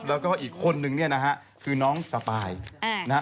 แล้วก็อีกคนนึงเนี่ยนะฮะคือน้องสปายนะฮะ